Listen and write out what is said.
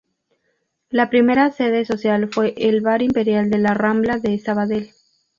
La primera sede social fue el bar Imperial de la Rambla de Sabadell.